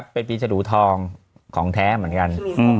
เป็นปีฉรูทองของแท้เหมือนกัน